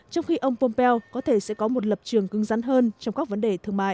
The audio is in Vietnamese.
trong khi ông pompeo có thể sẽ có một lập trường cưng rắn hơn trong các vấn đề thương mại